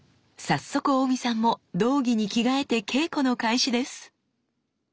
早速大見さんも道着に着替えて稽古の開始です。